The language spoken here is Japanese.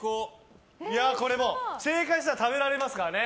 正解したら食べられますからね。